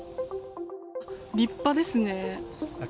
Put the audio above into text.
立派ですね。